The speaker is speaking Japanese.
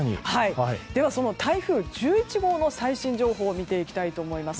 では、その台風１１号の最新情報を見てきたいと思います。